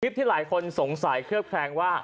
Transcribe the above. ที่หลายคนสงสัยเคลือบแคลงว่า